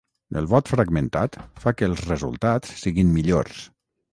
El vot fragmentat fa que els resultats siguin millors.